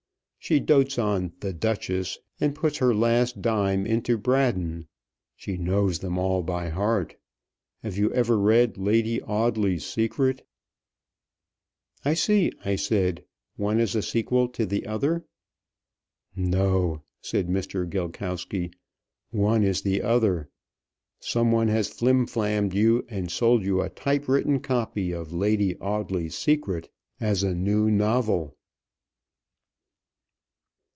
She dotes on 'The Duchess,' and puts her last dime into Braddon. She knows them all by heart. Have you ever read 'Lady Audley's Secret'?" "I see," I said. "One is a sequel to the other." "No," said Mr. Gilkowsky, "one is the other. Some one has flimflammed you and sold you a typewritten copy of 'Lady Audley's Secret' as a new novel."